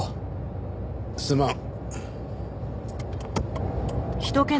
すまん。